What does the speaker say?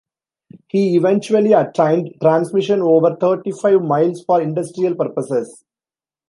He eventually attained transmission over thirty-five miles for industrial purposes.